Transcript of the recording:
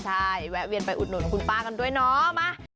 ใช่แวะเวียนไปอุดหนุนคุณป้ากันด้วยเนาะ